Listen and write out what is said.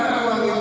kenapa kamu sedih